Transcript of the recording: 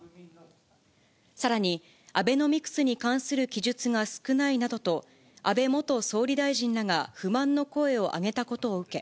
さらに、アベノミクスに関する記述が少ないなどと、安倍元総理大臣らが不満の声を上げたことを受け、